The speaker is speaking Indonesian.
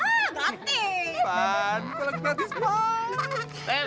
ipan kolak gratis pak